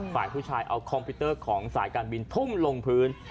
ฝ่ายผู้ชายเอาคอมพิวเตอร์ของสายการบินทุ่มลงพื้น